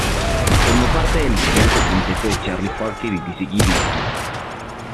Formó parte del histórico quinteto de Charlie Parker y Dizzy Gillespie.